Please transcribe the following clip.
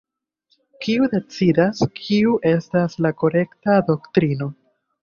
Kiu decidas kiu estas la "korekta" doktrino?